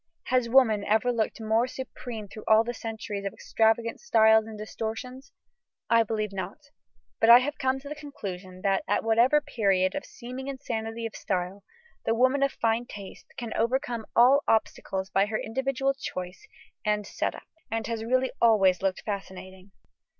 Has woman ever looked more supreme through all the centuries of extravagant styles and distortions? I believe not: but I have come to the conclusion that, at whatever period of seeming insanity of style, the woman of fine taste can overcome all obstacles by her individual choice and "set up," and has really always looked fascinating.